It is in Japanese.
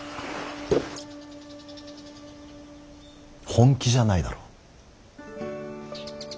本気じゃないだろ。